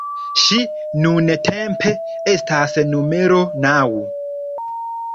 Ŝi nuntempe estas numero naŭ.